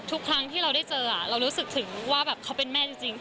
ทุกครั้งที่เราได้เจอเรารู้สึกถึงว่าแบบเขาเป็นแม่จริง